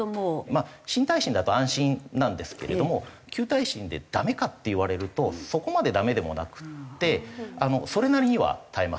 まあ新耐震だと安心なんですけれども旧耐震でダメかって言われるとそこまでダメでもなくてそれなりには耐えます。